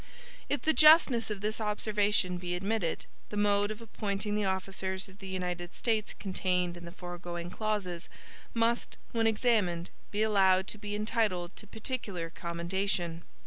If the justness of this observation be admitted, the mode of appointing the officers of the United States contained in the foregoing clauses, must, when examined, be allowed to be entitled to particular commendation.